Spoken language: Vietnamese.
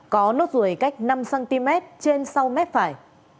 có nốt ruồi cách năm cm trên sau mép phải